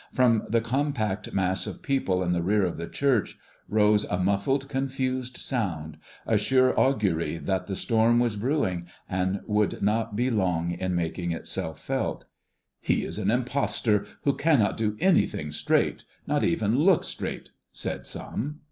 From the compact mass of people in the rear of the church rose a muffled, confused sound, a sure augury that the storm was brewing and would not be long in making itself felt. "He is an impostor who cannot do anything straight, not even look straight," said some.